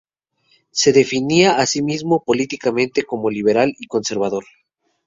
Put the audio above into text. Se definía a sí mismo políticamente como liberal y conservador.